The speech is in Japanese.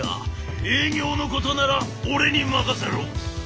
営業のことなら俺に任せろ！」。